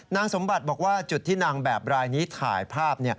นางสมบัติบอกว่าจุดที่นางแบบรายนี้ถ่ายภาพ